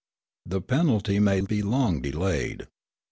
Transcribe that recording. The penalty may be long delayed.